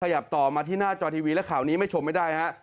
ต่อมาที่หน้าจอทีวีและข่าวนี้ไม่ชมไม่ได้ฮะ